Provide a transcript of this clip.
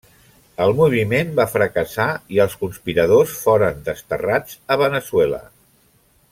El moviment va fracassar i els conspiradors foren desterrats a Veneçuela.